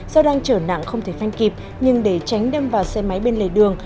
do đang chở nặng không thể phanh kịp nhưng để tránh đâm vào xe máy bên lề đường